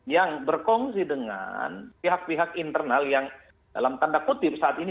yang berkongsi dengan pihak pihak internal yang dalam tanda kutip saat ini